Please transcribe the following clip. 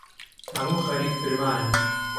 هەموو خەریک فرمانن